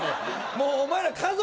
もうお前ら家族